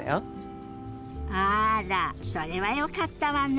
あらそれはよかったわね。